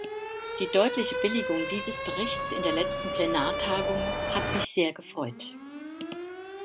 Die deutliche Billigung dieses Berichts in der letzten Plenartagung hat mich sehr gefreut.